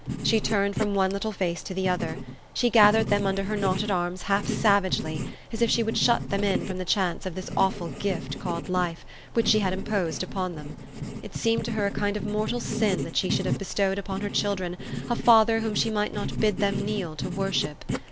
She turned from one little face to the other ; she gathered them under her knotted arms half savagely, as if she would shut them in from the chance of this awful gift called life, which she had imposed upon them. It seemed to her a kind of mortal sin that she should have bestowed upon her children a father whom she might not bid them kneel to worship.